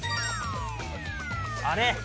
あれ？